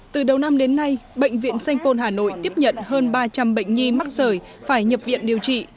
từ đầu năm đến nay bệnh viện sanh pôn hà nội tiếp nhận hơn ba trăm linh bệnh nhi mắc sởi phải nhập viện điều trị